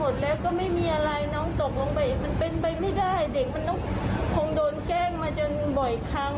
เด็กมันต้องคงโดนแกล้งมาจนบ่อยครั้ง